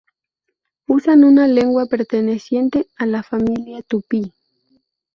Usan una lengua perteneciente a la familia tupí.